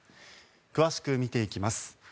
詳しく見ていきます。